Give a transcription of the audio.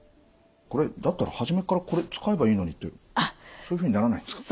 これだったら初めからこれ使えばいいのにってそういうふうにならないんですか？